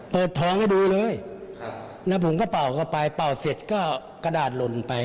เปิดท้องให้ดูเลยแล้วผมก็เป่าเข้าไปเป่าเสร็จก็กระดาษหล่นไป